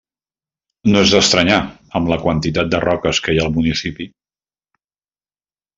No és d’estranyar, amb la quantitat de roques que hi ha al municipi.